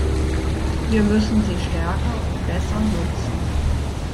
Wir müssen sie stärker und besser nutzen.